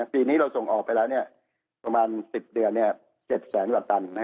ปีนี้เราส่งออกไปแล้วประมาณ๑๐เดือน๗แสนกว่าตัน